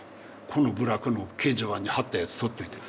この部落の掲示板に貼ったやつ取っといて。